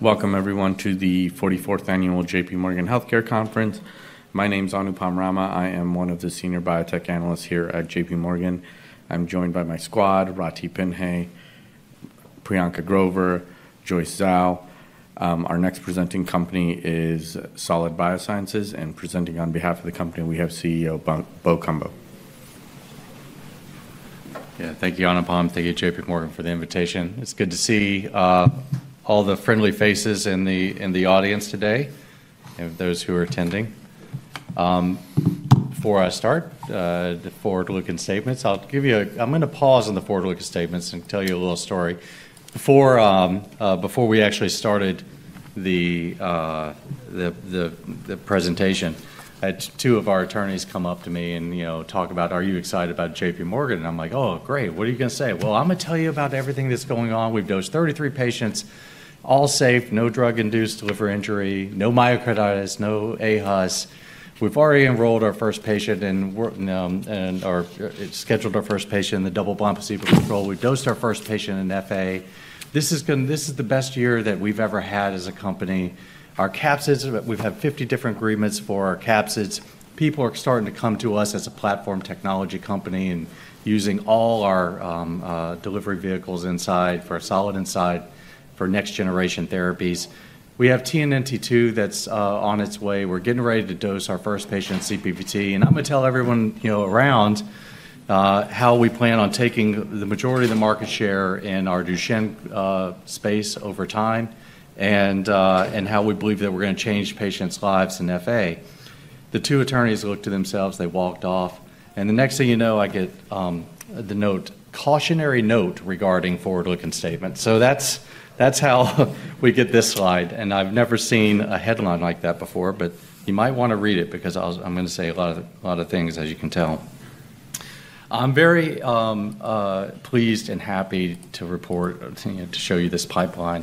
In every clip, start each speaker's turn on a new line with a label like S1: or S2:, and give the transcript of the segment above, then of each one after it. S1: Welcome, everyone, to the 44th Annual J.P. Morgan Healthcare Conference. My name's Anupam Rama. I am one of the Senior Biotech Analysts here at J.P. Morgan. I'm joined by my squad: Ratih Pinhay, Priyanka Grover, Joyce Zhao. Our next presenting company is Solid Biosciences, and presenting on behalf of the company, we have CEO Bo Cumbo.
S2: Yeah, thank you, Anupam. Thank you, J.P. Morgan, for the invitation. It's good to see all the friendly faces in the audience today, and those who are attending. Before I start, the forward-looking statements, I'll give you a pause on the forward-looking statements and tell you a little story. Before we actually started the presentation, I had two of our attorneys come up to me and talk about, "Are you excited about J.P. Morgan?" And I'm like, "Oh, great. What are you going to say?" "Well, I'm going to tell you about everything that's going on. We've dosed 33 patients, all safe, no drug-induced liver injury, no myocarditis, no aHUS. We've already enrolled our first patient and scheduled our first patient in the double-blind placebo control. We've dosed our first patient in FA. This is the best year that we've ever had as a company. Our capsids—we've had 50 different agreements for our capsids. People are starting to come to us as a platform technology company and using all our delivery vehicles in Solid for next-generation therapies. We have TNNT2 that's on its way. We're getting ready to dose our first patient in CPVT. And I'm going to tell everyone around how we plan on taking the majority of the market share in our Duchenne space over time and how we believe that we're going to change patients' lives in FA." The two attorneys looked at themselves. They walked off, and the next thing you know, I get the note, cautionary note regarding forward-looking statements, so that's how we get this slide, and I've never seen a headline like that before, but you might want to read it because I'm going to say a lot of things, as you can tell. I'm very pleased and happy to report, to show you this pipeline.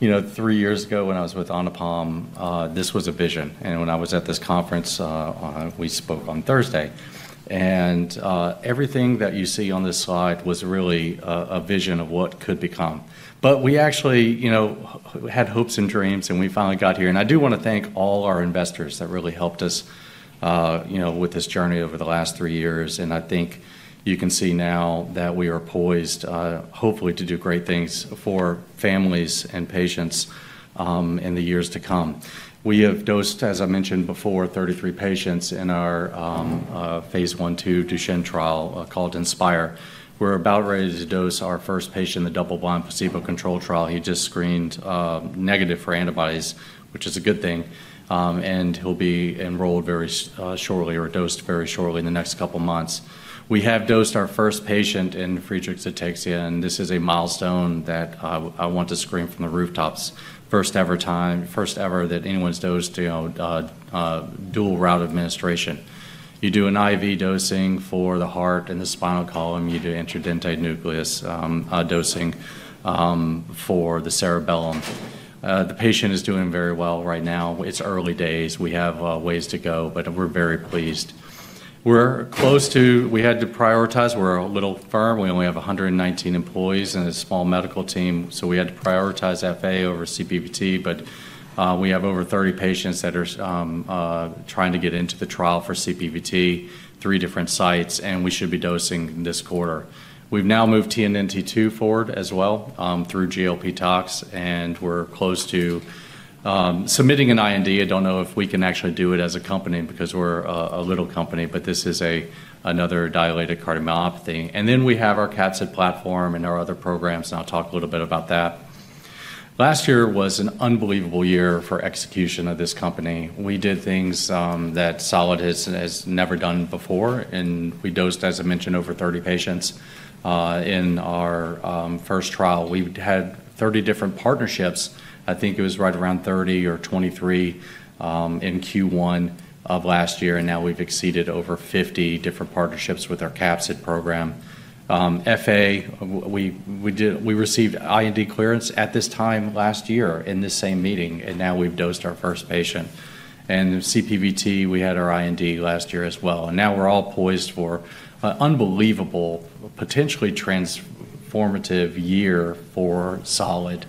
S2: Three years ago, when I was with Anupam, this was a vision, and when I was at this conference, we spoke on Thursday, and everything that you see on this slide was really a vision of what could become, but we actually had hopes and dreams, and we finally got here, and I do want to thank all our investors that really helped us with this journey over the last three years, and I think you can see now that we are poised, hopefully, to do great things for families and patients in the years to come. We have dosed, as I mentioned before, 33 patients in our phase 1/2 Duchenne trial called Inspire. We're about ready to dose our first patient in the double-blind placebo control trial. He just screened negative for antibodies, which is a good thing, and he'll be enrolled very shortly or dosed very shortly in the next couple of months. We have dosed our first patient in Friedreich's ataxia, and this is a milestone that I want to screen from the rooftops. First ever time, first ever that anyone's dosed dual-route administration. You do an IV dosing for the heart and the spinal column. You do dentate nucleus dosing for the cerebellum. The patient is doing very well right now. It's early days. We have ways to go, but we're very pleased. We're close to, we had to prioritize. We're a little firm. We only have 119 employees and a small medical team. So we had to prioritize FA over CPVT. But we have over 30 patients that are trying to get into the trial for CPVT, three different sites. And we should be dosing this quarter. We've now moved TNNT2 forward as well through GLP tox. And we're close to submitting an IND. I don't know if we can actually do it as a company because we're a little company, but this is another dilated cardiomyopathy. And then we have our capsid platform and our other programs. And I'll talk a little bit about that. Last year was an unbelievable year for execution of this company. We did things that Solid has never done before. And we dosed, as I mentioned, over 30 patients in our first trial. We had 30 different partnerships. I think it was right around 30 or 23 in Q1 of last year. And now we've exceeded over 50 different partnerships with our capsid program. FA, we received IND clearance at this time last year in this same meeting. And now we've dosed our first patient. And CPVT, we had our IND last year as well. And now we're all poised for an unbelievable, potentially transformative year for Solid.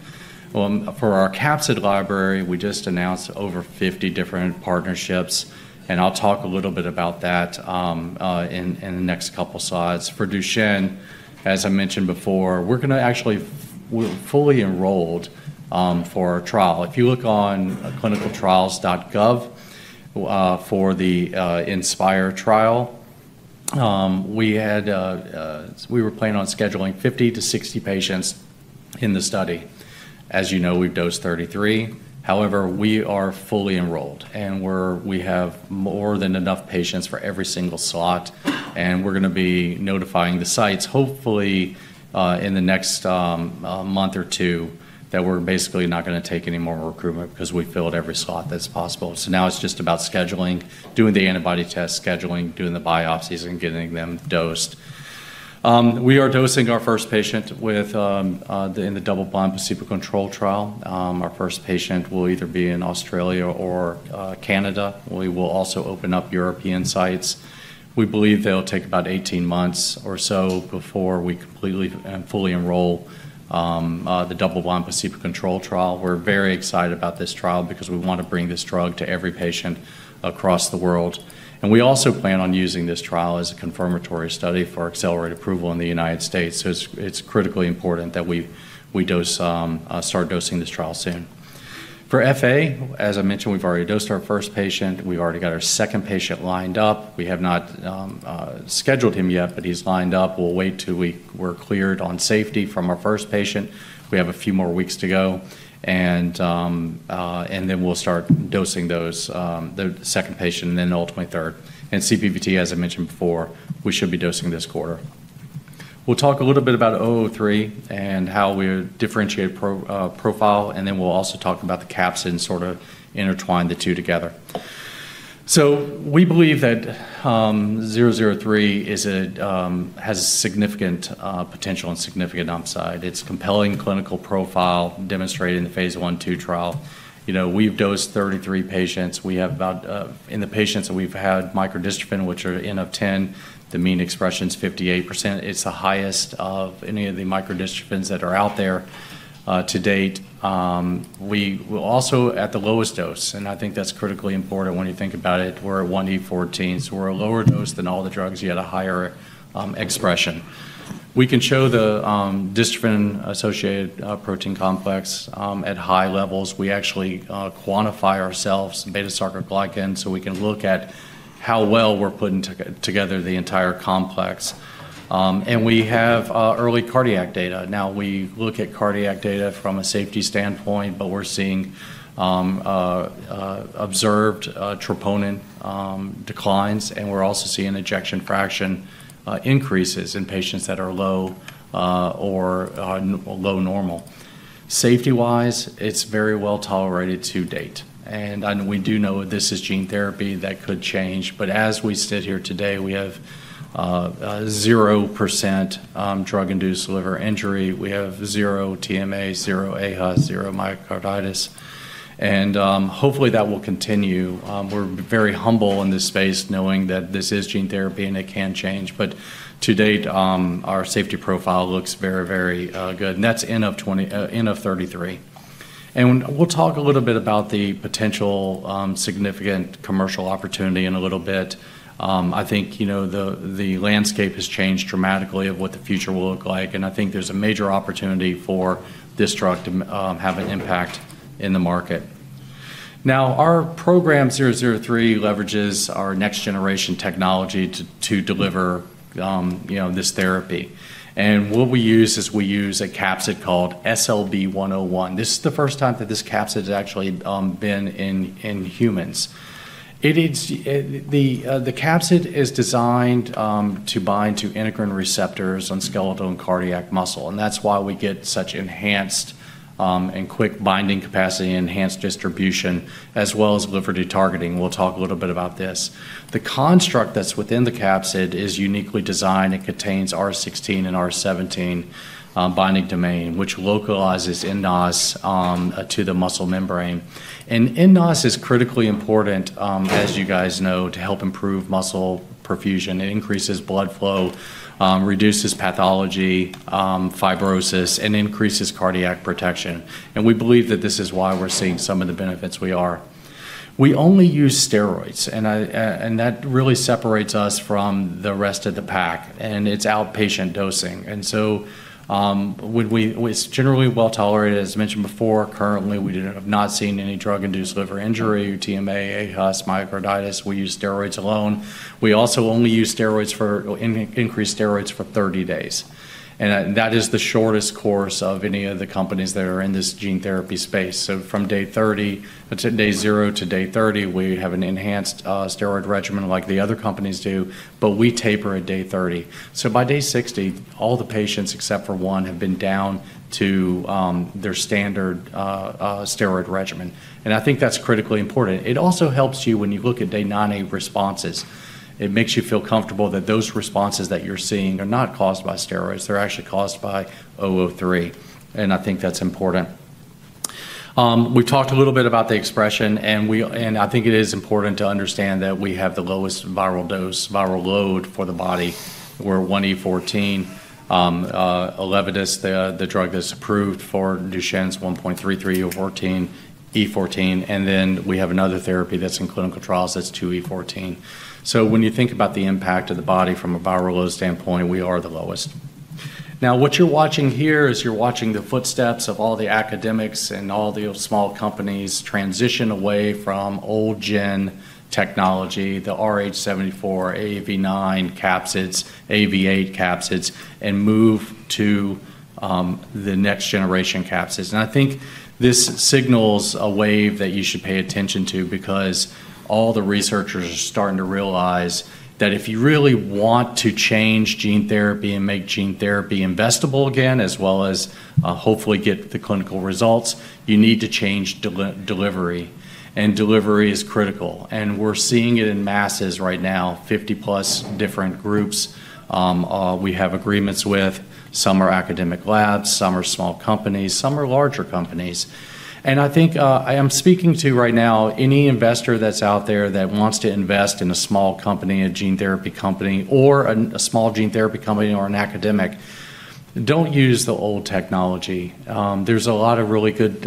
S2: For our capsid library, we just announced over 50 different partnerships. And I'll talk a little bit about that in the next couple of slides. For Duchenne, as I mentioned before, we're going to actually fully enrolled for our trial. If you look on ClinicalTrials.gov for the Inspire trial, we were planning on scheduling 50 to 60 patients in the study. As you know, we've dosed 33. However, we are fully enrolled. And we have more than enough patients for every single slot. And we're going to be notifying the sites, hopefully, in the next month or two, that we're basically not going to take any more recruitment because we filled every slot that's possible. So now it's just about scheduling, doing the antibody test, scheduling, doing the biopsies, and getting them dosed. We are dosing our first patient in the double-blind placebo control trial. Our first patient will either be in Australia or Canada. We will also open up European sites. We believe they'll take about 18 months or so before we completely and fully enroll the double-blind placebo control trial. We're very excited about this trial because we want to bring this drug to every patient across the world. And we also plan on using this trial as a confirmatory study for accelerated approval in the United States. So it's critically important that we start dosing this trial soon. For FA, as I mentioned, we've already dosed our first patient. We've already got our second patient lined up. We have not scheduled him yet, but he's lined up. We'll wait till we're cleared on safety from our first patient. We have a few more weeks to go. And then we'll start dosing the second patient and then ultimately third. And CPVT, as I mentioned before, we should be dosing this quarter. We'll talk a little bit about 003 and how we differentiate profile. And then we'll also talk about the capsid and sort of intertwine the two together. So we believe that 003 has significant potential and significant upside. It's compelling clinical profile demonstrated in the phase 1/2 trial. We've dosed 33 patients. In the patients that we've had microdystrophin, which are nine of 10, the mean expression is 58%. It's the highest of any of the microdystrophins that are out there to date. We're also at the lowest dose. And I think that's critically important when you think about it. We're at 1E14. So we're a lower dose than all the drugs. You had a higher expression. We can show the dystrophin-associated protein complex at high levels. We actually quantify ourselves beta-sarcoglycan. So we can look at how well we're putting together the entire complex. And we have early cardiac data. Now, we look at cardiac data from a safety standpoint, but we're seeing observed troponin declines. And we're also seeing ejection fraction increases in patients that are low or low normal. Safety-wise, it's very well tolerated to date. And we do know that this is gene therapy that could change. But as we sit here today, we have 0% drug-induced liver injury. We have zero TMA, zero aHUS, zero myocarditis. And hopefully, that will continue. We're very humble in this space knowing that this is gene therapy and it can change. To date, our safety profile looks very, very good. And that's in n of 33. And we'll talk a little bit about the potential significant commercial opportunity in a little bit. I think the landscape has changed dramatically of what the future will look like. And I think there's a major opportunity for this drug to have an impact in the market. Now, our program 003 leverages our next-generation technology to deliver this therapy. And what we use is a capsid called SLB101. This is the first time that this capsid has actually been in humans. The capsid is designed to bind to integrin receptors on skeletal and cardiac muscle. And that's why we get such enhanced and quick binding capacity and enhanced distribution, as well as liver de-targeting. We'll talk a little bit about this. The construct that's within the capsid is uniquely designed. It contains R16 and R17 binding domain, which localizes nNOS to the muscle membrane, and nNOS is critically important, as you guys know, to help improve muscle perfusion. It increases blood flow, reduces pathology, fibrosis, and increases cardiac protection, and we believe that this is why we're seeing some of the benefits we are. We only use steroids, and that really separates us from the rest of the pack, and it's outpatient dosing, and so it's generally well tolerated, as mentioned before. Currently, we have not seen any drug-induced liver injury, TMA, aHUS, myocarditis. We use steroids alone. We also only use steroids for increased steroids for 30 days, and that is the shortest course of any of the companies that are in this gene therapy space. From day 0 to day 30, we have an enhanced steroid regimen like the other companies do, but we taper at day 30. By day 60, all the patients, except for one, have been down to their standard steroid regimen. I think that's critically important. It also helps you when you look at day 90 responses. It makes you feel comfortable that those responses that you're seeing are not caused by steroids. They're actually caused by 003. I think that's important. We've talked a little bit about the expression. I think it is important to understand that we have the lowest viral load for the body. We're 1E14, 11 is the drug that's approved for Duchenne's 1.33E14. Then we have another therapy that's in clinical trials that's 2E14. So when you think about the impact of the body from a viral load standpoint, we are the lowest. Now, what you're watching here is the footsteps of all the academics and all the small companies transition away from old-gen technology, the RH74, AAV9 capsids, AAV8 capsids, and move to the next-generation capsids. And I think this signals a wave that you should pay attention to because all the researchers are starting to realize that if you really want to change gene therapy and make gene therapy investable again, as well as hopefully get the clinical results, you need to change delivery. And delivery is critical. And we're seeing it in masses right now, 50-plus different groups we have agreements with. Some are academic labs. Some are small companies. Some are larger companies. I think I am speaking to right now any investor that's out there that wants to invest in a small company, a gene therapy company, or a small gene therapy company or an academic. Don't use the old technology. There's a lot of really good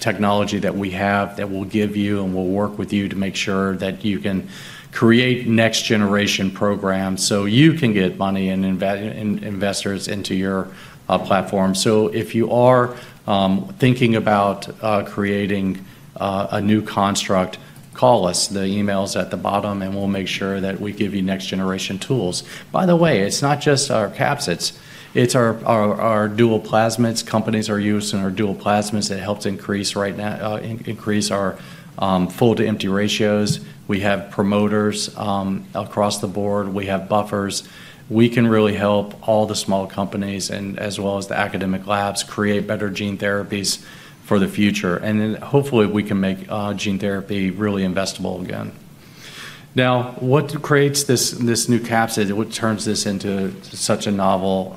S2: technology that we have that will give you and will work with you to make sure that you can create next-generation programs so you can get money and investors into your platform. So if you are thinking about creating a new construct, call us. The email's at the bottom. And we'll make sure that we give you next-generation tools. By the way, it's not just our capsids. It's our dual plasmids companies are using our dual plasmids that helps increase our full-to-empty ratios. We have promoters across the board. We have buffers. We can really help all the small companies and as well as the academic labs create better gene therapies for the future. And hopefully, we can make gene therapy really investable again. Now, what creates this new capsid that turns this into such a novel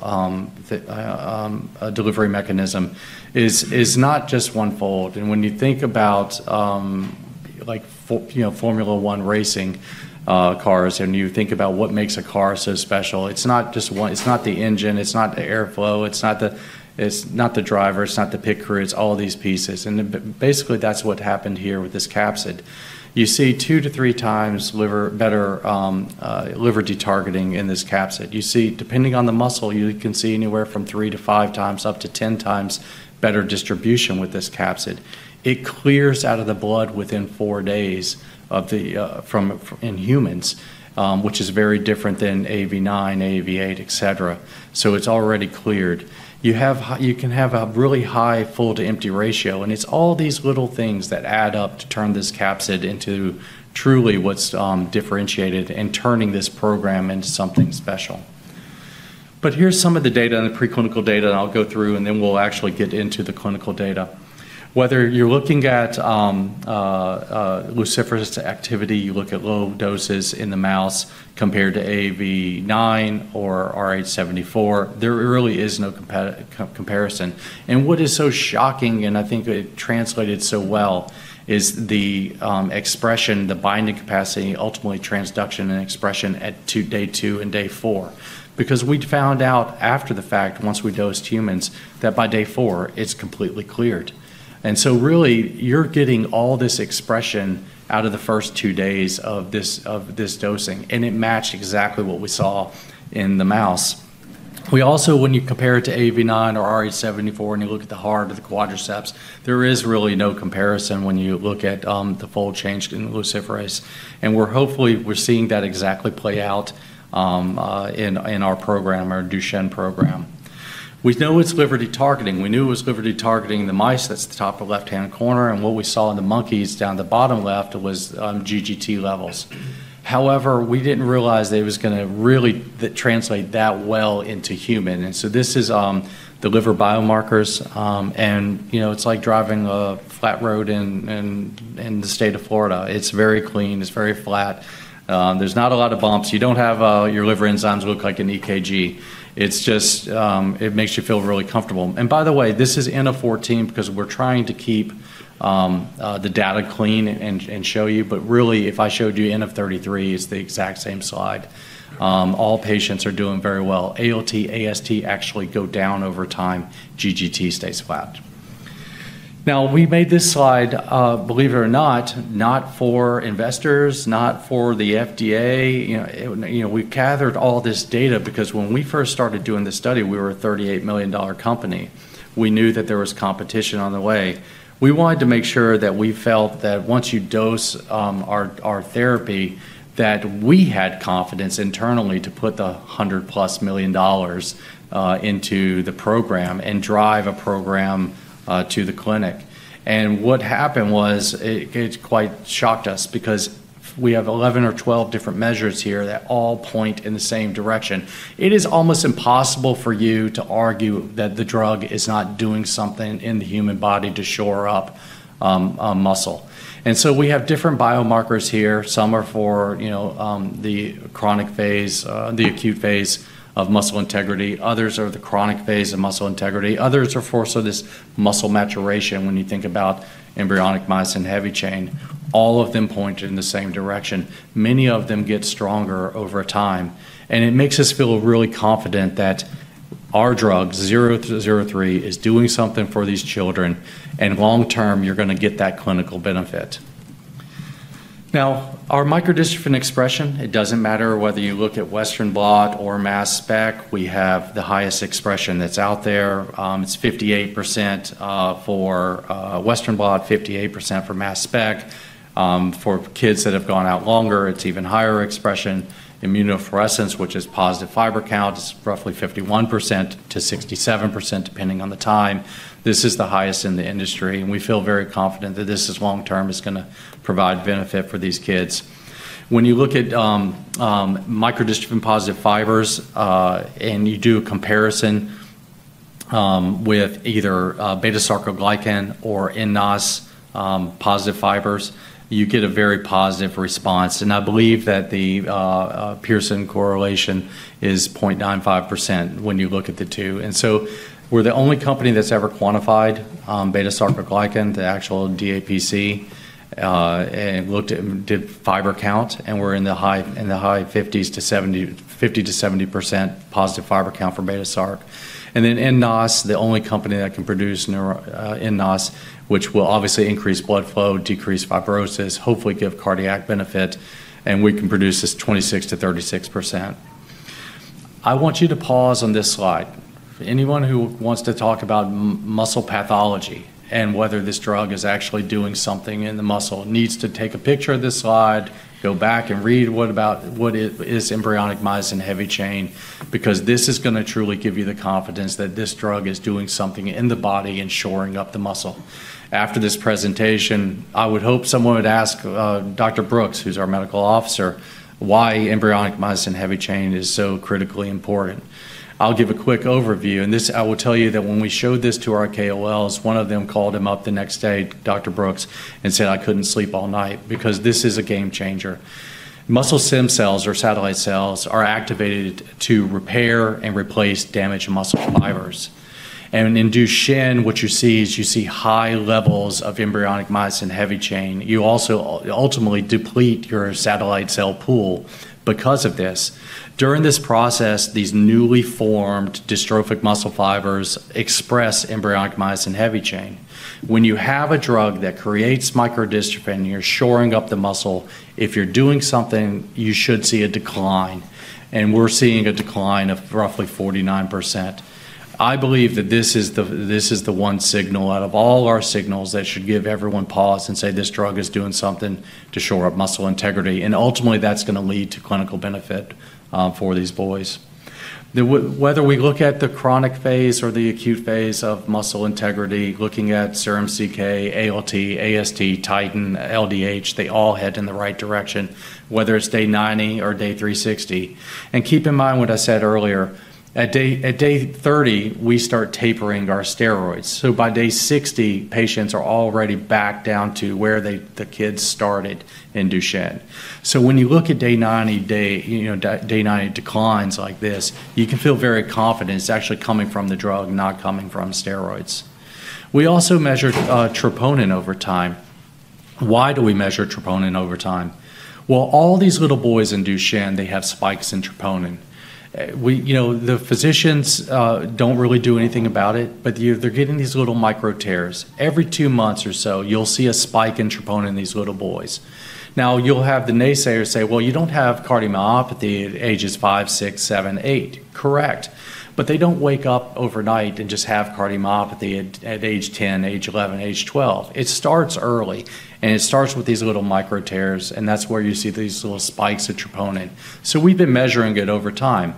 S2: delivery mechanism is not just one-fold. And when you think about Formula 1 racing cars and you think about what makes a car so special, it's not just one; it's not the engine. It's not the airflow. It's not the driver. It's not the pit crew. It's all these pieces. And basically, that's what happened here with this capsid. You see two to three times better liver de-targeting in this capsid. Depending on the muscle, you can see anywhere from three to five times up to 10 times better distribution with this capsid. It clears out of the blood within four days in humans, which is very different than AAV9, AAV8, etc. So it's already cleared. You can have a really high full-to-empty ratio. And it's all these little things that add up to turn this capsid into truly what's differentiated and turning this program into something special. But here's some of the data and the pre-clinical data I'll go through. And then we'll actually get into the clinical data. Whether you're looking at luciferase activity, you look at low doses in the mouse compared to AAV9 or RH74, there really is no comparison. And what is so shocking, and I think it translated so well, is the expression, the binding capacity, ultimately transduction and expression at day two and day four. Because we found out after the fact, once we dosed humans, that by day four, it's completely cleared. So really, you're getting all this expression out of the first two days of this dosing. It matched exactly what we saw in the mouse. We also, when you compare it to AAV9 or RH74 and you look at the heart or the quadriceps, there is really no comparison when you look at the full change in luciferase. Hopefully, we're seeing that exactly play out in our program, our Duchenne program. We know it's liver de-targeting. We knew it was liver de-targeting the mice that's the top left-hand corner. What we saw in the monkeys down the bottom left was GGT levels. However, we didn't realize it was going to really translate that well into human. This is the liver biomarkers. It's like driving a flat road in the state of Florida. It's very clean. It's very flat. There's not a lot of bumps. Your liver enzymes look like an EKG. It makes you feel really comfortable. And by the way, this is n of 14 because we're trying to keep the data clean and show you. But really, if I showed you n of 33, it's the exact same slide. All patients are doing very well. ALT, AST actually go down over time. GGT stays flat. Now, we made this slide, believe it or not, not for investors, not for the FDA. We've gathered all this data because when we first started doing the study, we were a $38 million company. We knew that there was competition on the way. We wanted to make sure that we felt that once you dose our therapy, that we had confidence internally to put the $100-plus million into the program and drive a program to the clinic. What happened was it quite shocked us because we have 11 or 12 different measures here that all point in the same direction. It is almost impossible for you to argue that the drug is not doing something in the human body to shore up muscle. So we have different biomarkers here. Some are for the chronic phase, the acute phase of muscle integrity. Others are the chronic phase of muscle integrity. Others are for this muscle maturation when you think about embryonic myosin heavy chain. All of them point in the same direction. Many of them get stronger over time. It makes us feel really confident that our drug, 003, is doing something for these children. Long term, you're going to get that clinical benefit. Now, our microdystrophin expression, it doesn't matter whether you look at Western Blot or Mass Spec, we have the highest expression that's out there. It's 58% for Western Blot, 58% for Mass Spec. For kids that have gone out longer, it's even higher expression. Immunofluorescence, which is positive fiber count, is roughly 51%-67% depending on the time. This is the highest in the industry. And we feel very confident that this long term is going to provide benefit for these kids. When you look at microdystrophin positive fibers and you do a comparison with either beta-sarcoglycan or nNOS positive fibers, you get a very positive response. And I believe that the Pearson correlation is 0.95% when you look at the two. And so we're the only company that's ever quantified beta-sarcoglycan, the actual DAPC, and did fiber count. We're in the high 50s to 50-70% positive fiber count for beta-sarc. Then nNOS, the only company that can produce nNOS, which will obviously increase blood flow, decrease fibrosis, hopefully give cardiac benefit. We can produce this 26-36%. I want you to pause on this slide. Anyone who wants to talk about muscle pathology and whether this drug is actually doing something in the muscle needs to take a picture of this slide, go back and read what is embryonic myosin heavy chain. Because this is going to truly give you the confidence that this drug is doing something in the body and shoring up the muscle. After this presentation, I would hope someone would ask Dr. Brooks, who's our medical officer, why embryonic myosin heavy chain is so critically important. I'll give a quick overview. I will tell you that when we showed this to our KOLs, one of them called him up the next day, Dr. Brooks, and said, "I couldn't sleep all night." Because this is a game changer. Muscle stem cells or satellite cells are activated to repair and replace damaged muscle fibers. In Duchenne, what you see is high levels of embryonic myosin heavy chain. You also ultimately deplete your satellite cell pool because of this. During this process, these newly formed dystrophic muscle fibers express embryonic myosin heavy chain. When you have a drug that creates microdystrophin and you're shoring up the muscle, if you're doing something, you should see a decline. We're seeing a decline of roughly 49%. I believe that this is the one signal out of all our signals that should give everyone pause and say, "This drug is doing something to shore up muscle integrity," and ultimately, that's going to lead to clinical benefit for these boys. Whether we look at the chronic phase or the acute phase of muscle integrity, looking at serum CK, ALT, AST, titin, LDH, they all head in the right direction, whether it's day 90 or day 360, and keep in mind what I said earlier. At day 30, we start tapering our steroids, so by day 60, patients are already back down to where the kids started in Duchenne, so when you look at day 90, day 90 declines like this, you can feel very confident it's actually coming from the drug, not coming from steroids. We also measured troponin over time. Why do we measure troponin over time? All these little boys in Duchenne, they have spikes in troponin. The physicians don't really do anything about it, but they're getting these little micro tears. Every two months or so, you'll see a spike in troponin in these little boys. Now, you'll have the naysayers say, "Well, you don't have cardiomyopathy at ages five, six, seven, eight." Correct. But they don't wake up overnight and just have cardiomyopathy at age 10, age 11, age 12. It starts early. And it starts with these little micro tears. And that's where you see these little spikes of troponin. So we've been measuring it over time.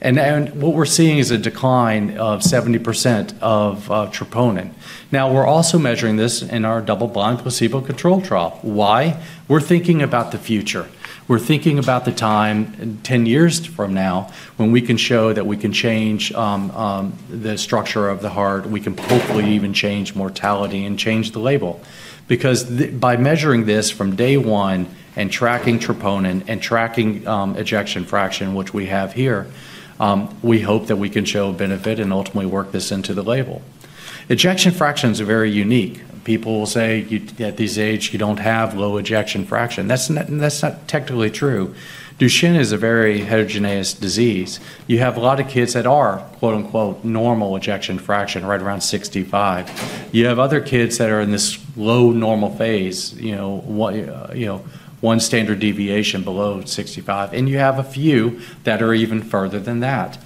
S2: And what we're seeing is a decline of 70% of troponin. Now, we're also measuring this in our double-blind placebo control trial. Why? We're thinking about the future. We're thinking about the time 10 years from now when we can show that we can change the structure of the heart. We can hopefully even change mortality and change the label. Because by measuring this from day one and tracking troponin and tracking ejection fraction, which we have here, we hope that we can show benefit and ultimately work this into the label. Ejection fraction is very unique. People will say, "At this age, you don't have low ejection fraction." That's not technically true. Duchenne is a very heterogeneous disease. You have a lot of kids that are, quote-unquote, "normal ejection fraction," right around 65. You have other kids that are in this low normal phase, one standard deviation below 65. And you have a few that are even further than that.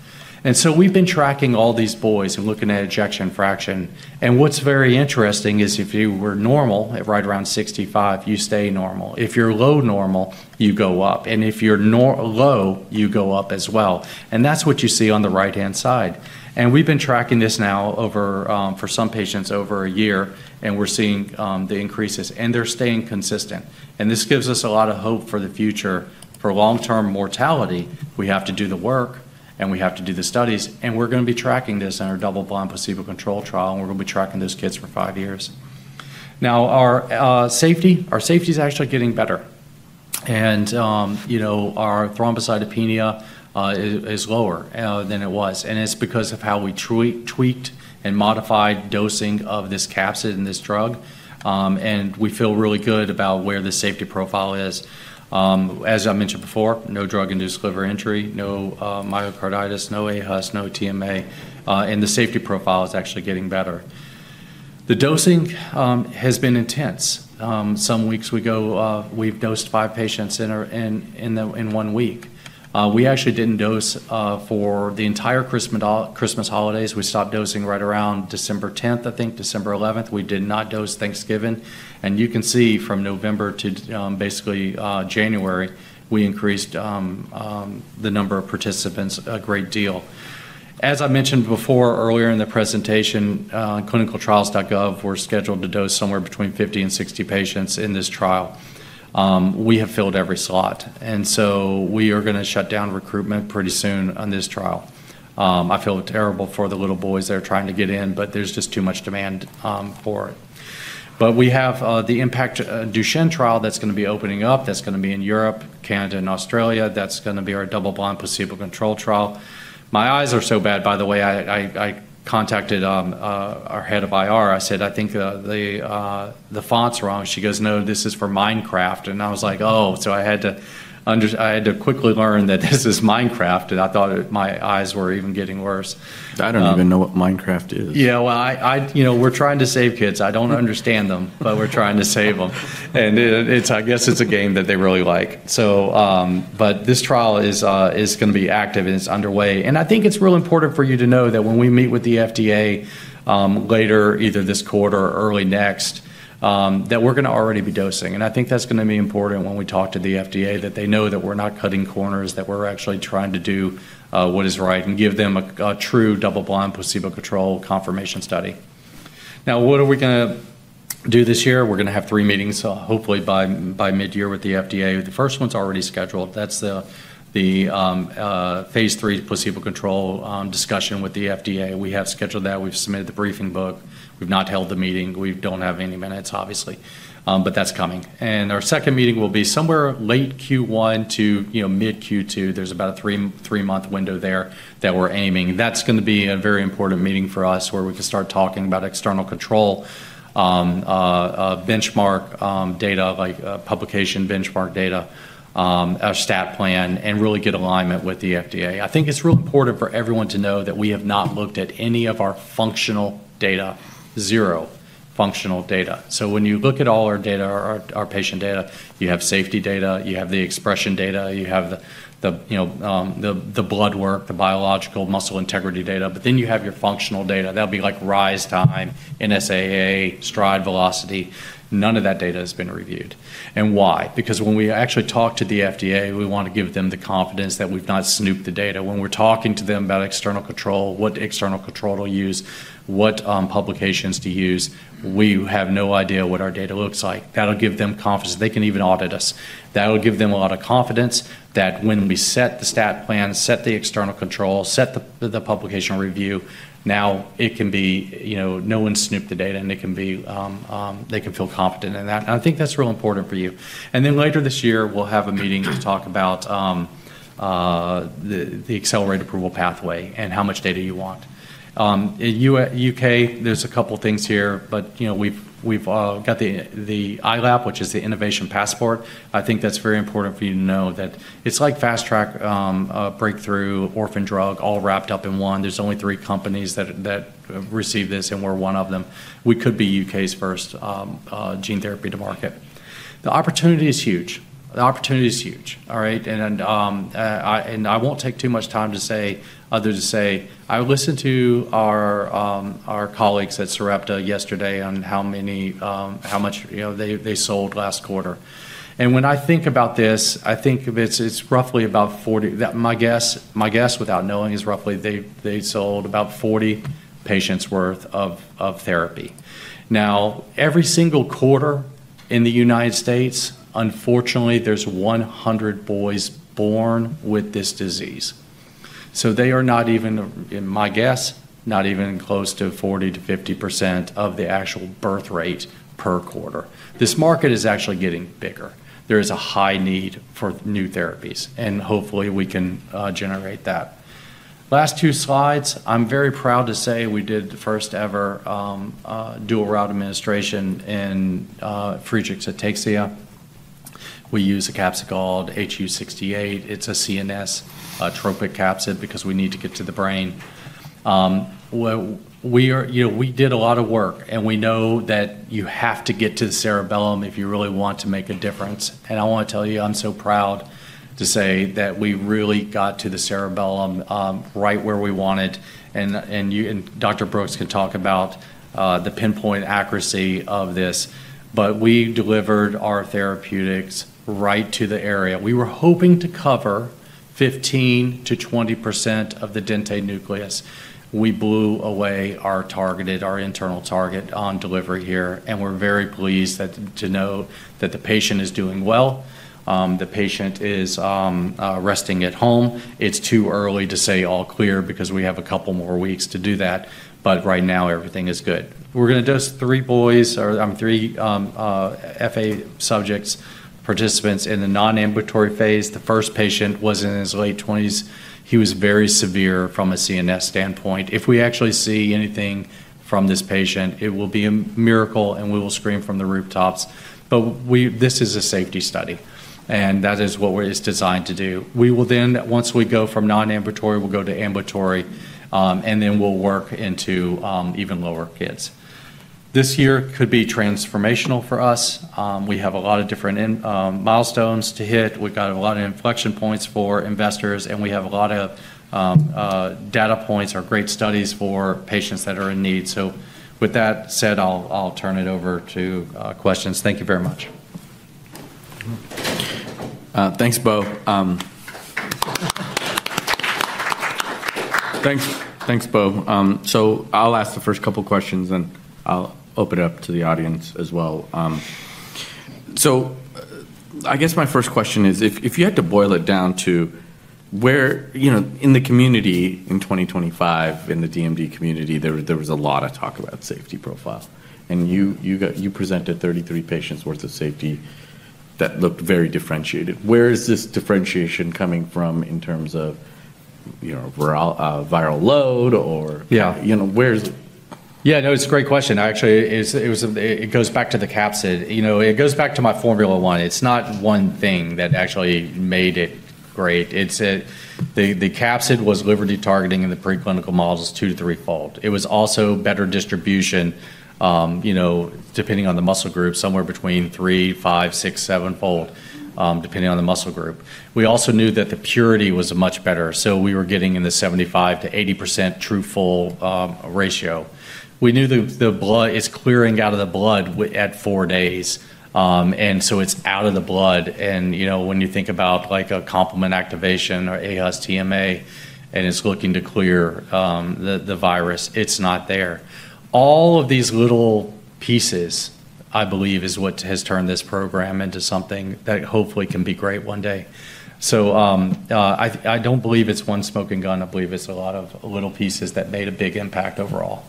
S2: And so we've been tracking all these boys and looking at ejection fraction. And what's very interesting is if you were normal right around 65, you stay normal. If you're low normal, you go up. And if you're low, you go up as well. And that's what you see on the right-hand side. And we've been tracking this now for some patients over a year. And we're seeing the increases. And they're staying consistent. And this gives us a lot of hope for the future. For long-term mortality, we have to do the work. And we have to do the studies. And we're going to be tracking this in our double-blind placebo control trial. And we're going to be tracking those kids for five years. Now, our safety is actually getting better. And our thrombocytopenia is lower than it was. And it's because of how we tweaked and modified dosing of this capsid and this drug. We feel really good about where the safety profile is. As I mentioned before, no drug-induced liver injury, no myocarditis, no aHUS, no TMA. The safety profile is actually getting better. The dosing has been intense. Some weeks we go, we've dosed five patients in one week. We actually didn't dose for the entire Christmas holidays. We stopped dosing right around December 10th, I think, December 11th. We did not dose Thanksgiving. You can see from November to basically January, we increased the number of participants a great deal. As I mentioned before, earlier in the presentation, ClinicalTrials.gov were scheduled to dose somewhere between 50 and 60 patients in this trial. We have filled every slot. So we are going to shut down recruitment pretty soon on this trial. I feel terrible for the little boys that are trying to get in, but there's just too much demand for it. But we have the IMPACT Duchenne trial that's going to be opening up. That's going to be in Europe, Canada, and Australia. That's going to be our double-blind placebo control trial. My eyes are so bad, by the way. I contacted our head of IR. I said, "I think the fonts are wrong." She goes, "No, this is for Minecraft." And I was like, "Oh." So I had to quickly learn that this is Minecraft. And I thought my eyes were even getting worse. I don't even know what Minecraft is. Yeah. Well, we're trying to save kids. I don't understand them, but we're trying to save them. And I guess it's a game that they really like. But this trial is going to be active, and it's underway. And I think it's real important for you to know that when we meet with the FDA later, either this quarter or early next, that we're going to already be dosing. And I think that's going to be important when we talk to the FDA that they know that we're not cutting corners, that we're actually trying to do what is right and give them a true double-blind placebo control confirmation study. Now, what are we going to do this year? We're going to have three meetings, hopefully by midyear with the FDA. The first one's already scheduled. That's the phase 3 placebo control discussion with the FDA. We have scheduled that. We've submitted the briefing book. We've not held the meeting. We don't have any minutes, obviously. But that's coming. And our second meeting will be somewhere late Q1 to mid-Q2. There's about a three-month window there that we're aiming. That's going to be a very important meeting for us where we can start talking about external control benchmark data, publication benchmark data, our stat plan, and really get alignment with the FDA. I think it's real important for everyone to know that we have not looked at any of our functional data, zero functional data. So when you look at all our data, our patient data, you have safety data, you have the expression data, you have the blood work, the biological muscle integrity data, but then you have your functional data. That'll be like rise time, NSAA, stride velocity. None of that data has been reviewed. And why? Because when we actually talk to the FDA, we want to give them the confidence that we've not snooped the data. When we're talking to them about external control, what external control to use, what publications to use, we have no idea what our data looks like. That'll give them confidence. They can even audit us. That'll give them a lot of confidence that when we set the stat plan, set the external control, set the publication review, now it can be no one snooped the data, and they can feel confident in that, and I think that's real important for you, and then later this year, we'll have a meeting to talk about the accelerated approval pathway and how much data you want. In U.K., there's a couple of things here, but we've got the ILAP, which is the Innovation Passport. I think that's very important for you to know that it's like Fast Track, Breakthrough, Orphan Drug, all wrapped up in one. There's only three companies that receive this, and we're one of them. We could be U.K.'s first gene therapy to market. The opportunity is huge. The opportunity is huge. All right? And I won't take too much time to say other than to say, "I listened to our colleagues at Sarepta yesterday on how much they sold last quarter." And when I think about this, I think it's roughly about 40. My guess, without knowing, is roughly they sold about 40 patients' worth of therapy. Now, every single quarter in the United States, unfortunately, there's 100 boys born with this disease. So they are not even, my guess, not even close to 40%-50% of the actual birth rate per quarter. This market is actually getting bigger. There is a high need for new therapies, and hopefully, we can generate that. Last two slides. I'm very proud to say we did the first-ever dual-route administration in Friedreich's ataxia. We use a capsid called HU68. It's a CNS-tropic capsid, because we need to get to the brain. We did a lot of work, and we know that you have to get to the cerebellum if you really want to make a difference. I want to tell you, I'm so proud to say that we really got to the cerebellum right where we wanted. Dr. Brooks can talk about the pinpoint accuracy of this. But we delivered our therapeutic right to the area. We were hoping to cover 15%-20% of the dentate nucleus. We blew away our internal target on delivery here. We're very pleased to know that the patient is doing well. The patient is resting at home. It's too early to say all clear because we have a couple more weeks to do that. But right now, everything is good. We're going to dose three boys or three FA subjects, participants in the non-ambulatory phase. The first patient was in his late 20s. He was very severe from a CNS standpoint. If we actually see anything from this patient, it will be a miracle, and we will scream from the rooftops. But this is a safety study, and that is what it's designed to do. Once we go from non-ambulatory, we'll go to ambulatory, and then we'll work into even lower kids. This year could be transformational for us. We have a lot of different milestones to hit. We've got a lot of inflection points for investors, and we have a lot of data points or great studies for patients that are in need. So with that said, I'll turn it over to questions. Thank you very much.
S1: Thanks, Bo. So I'll ask the first couple of questions, and I'll open it up to the audience as well. So I guess my first question is, if you had to boil it down to where in the community in 2025, in the DMD community, there was a lot of talk about safety profile. And you presented 33 patients' worth of safety that looked very differentiated. Where is this differentiation coming from in terms of viral load or where is it?
S2: Yeah. No, it's a great question. Actually, it goes back to the capsid. It goes back to my Formula One. It's not one thing that actually made it great. The capsid was liver de-targeting, and the preclinical models two to three-fold. It was also better distribution depending on the muscle group, somewhere between three, five, six, seven-fold depending on the muscle group. We also knew that the purity was much better. So we were getting in the 75%-80% full-to-empty ratio. We knew the blood is clearing out of the blood at four days. And so it's out of the blood. And when you think about a complement activation or aHUS TMA and it's looking to clear the virus, it's not there. All of these little pieces, I believe, is what has turned this program into something that hopefully can be great one day. So I don't believe it's one smoking gun. I believe it's a lot of little pieces that made a big impact overall.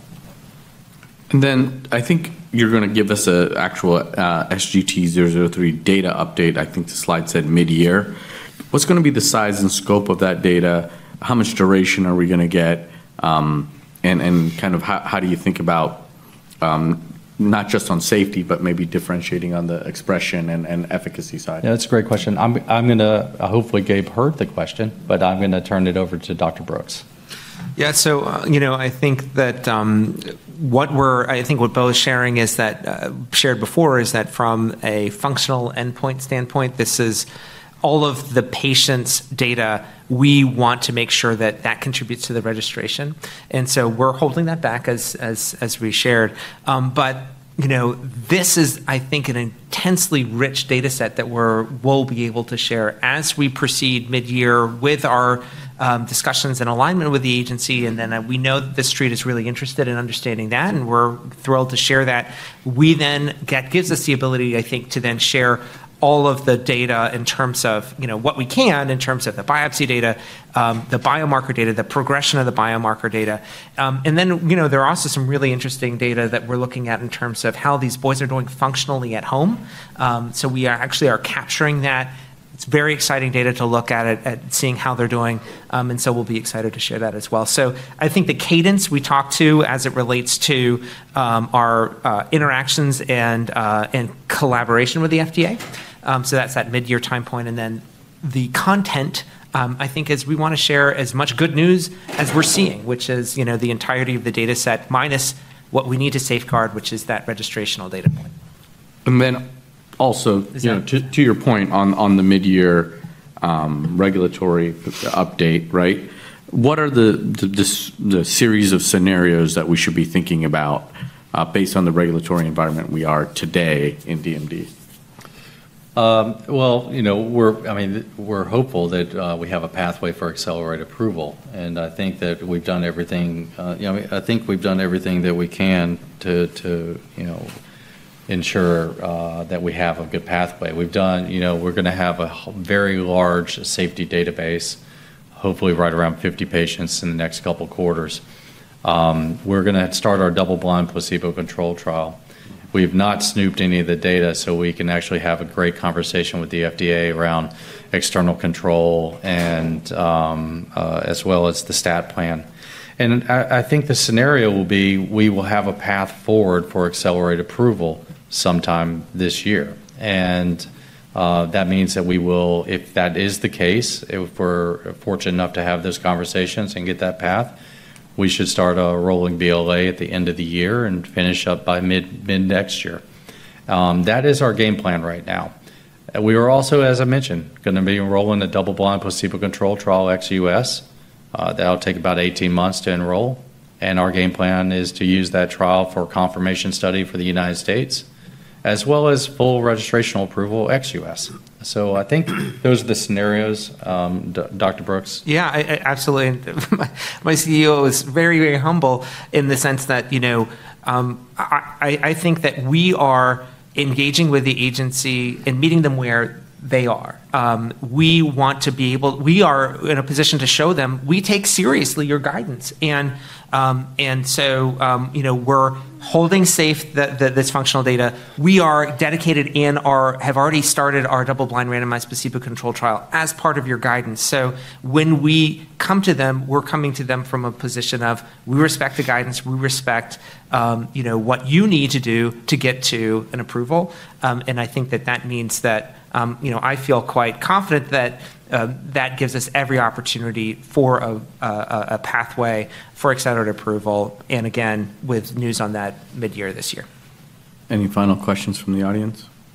S1: And then I think you're going to give us an actual SGT-003 data update. I think the slide said midyear. What's going to be the size and scope of that data? How much duration are we going to get? And kind of how do you think about not just on safety, but maybe differentiating on the expression and efficacy side?
S2: Yeah. That's a great question. I'm going to hopefully hand over the question, but I'm going to turn it over to Dr. Brooks.
S3: Yeah. So I think what Bo was sharing is that we shared before is that from a functional endpoint standpoint, this is all of the patient's data. We want to make sure that that contributes to the registration. And so we're holding that back as we shared. But this is, I think, an intensely rich data set that we'll be able to share as we proceed midyear with our discussions and alignment with the agency. And then we know the street is really interested in understanding that, and we're thrilled to share that. We then that gives us the ability, I think, to then share all of the data in terms of what we can in terms of the biopsy data, the biomarker data, the progression of the biomarker data. And then there are also some really interesting data that we're looking at in terms of how these boys are doing functionally at home. So we actually are capturing that. It's very exciting data to look at and seeing how they're doing. And so we'll be excited to share that as well. So I think the cadence we talk to as it relates to our interactions and collaboration with the FDA. So that's that midyear time point. And then the content, I think, is we want to share as much good news as we're seeing, which is the entirety of the data set minus what we need to safeguard, which is that registrational data point.
S1: And then also, to your point on the midyear regulatory update, right? What are the series of scenarios that we should be thinking about based on the regulatory environment we are today in DMD?
S2: Well, I mean, we're hopeful that we have a pathway for accelerated approval. And I think that we've done everything. I think we've done everything that we can to ensure that we have a good pathway. We've done. We're going to have a very large safety database, hopefully right around 50 patients in the next couple of quarters. We're going to start our double-blind placebo control trial. We have not snooped any of the data, so we can actually have a great conversation with the FDA around external control as well as the stat plan, and I think the scenario will be we will have a path forward for accelerated approval sometime this year. And that means that we will, if that is the case, if we're fortunate enough to have those conversations and get that path, we should start a rolling BLA at the end of the year and finish up by mid-next year. That is our game plan right now. We are also, as I mentioned, going to be enrolling in a double-blind placebo control trial ex-US. That'll take about 18 months to enroll, and our game plan is to use that trial for a confirmation study for the United States as well as full registrational approval ex-US, so I think those are the scenarios. Dr. Brooks?
S3: Yeah. Absolutely. My CEO is very, very humble in the sense that I think that we are engaging with the agency and meeting them where they are. We want to be able we are in a position to show them we take seriously your guidance. And so we're holding safe this functional data. We are dedicated and have already started our double-blind randomized placebo control trial as part of your guidance. So when we come to them, we're coming to them from a position of we respect the guidance, we respect what you need to do to get to an approval. And I think that that means that I feel quite confident that that gives us every opportunity for a pathway for accelerated approval, and again, with news on that midyear this year.
S1: Any final questions from the audience?